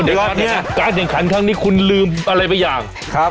เดี๋ยวก่อนเนี้ยการแข่งขันครั้งนี้คุณลืมอะไรไปอย่างครับ